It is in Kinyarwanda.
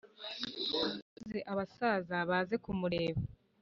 maze abasaza baze kumureba